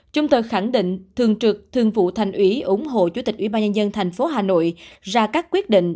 chúng tôi khẳng định thường trực thường vụ thành ủy ủng hộ chủ tịch ủy ban nhân dân thành phố hà nội ra các quyết định